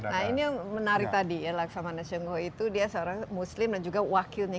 nah ini yang menarik tadi ya laksamana shongo itu dia seorang muslim dan juga wakilnya